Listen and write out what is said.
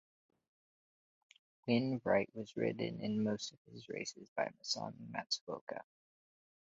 Win Bright was ridden in most of his races by Masami Matsuoka.